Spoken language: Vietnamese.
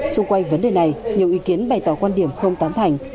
xung quanh vấn đề này nhiều ý kiến bày tỏ quan điểm không tán thành